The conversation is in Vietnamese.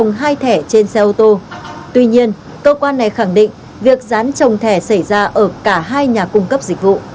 phải chỉ toán bộ ách nghiệm về cái vấn đề này